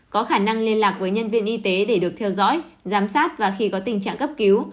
có khả năng liên lạc với nhân viên y tế để được theo dõi giám sát và khi có tình trạng cấp cứu